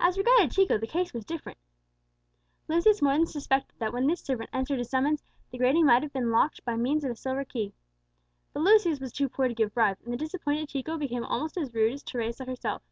As regarded Chico, the case was different. Lucius more than suspected that when this servant answered his summons, the grating might have been unlocked by means of a silver key. But Lucius was too poor to give bribes, and the disappointed Chico became almost as rude as Teresa herself.